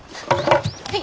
はい。